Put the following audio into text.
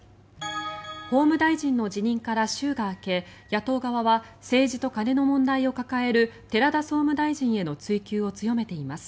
法務大臣の辞任から週が明け野党側は政治と金の問題を抱える寺田総務大臣への追及を強めています。